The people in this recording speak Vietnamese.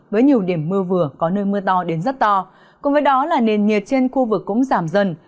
với nhiều điểm mưa vừa có nơi mưa to đến rất to cùng với đó là nền nhiệt trên khu vực cũng giảm dần